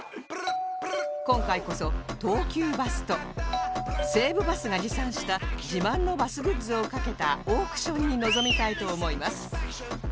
今回こそ東急バスと西武バスが持参した自慢のバスグッズを懸けたオークションに臨みたいと思います